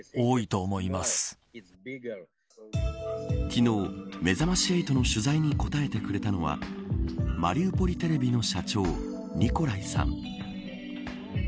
昨日、めざまし８の取材に答えてくれたのはマリウポリテレビの社長ニコライさん。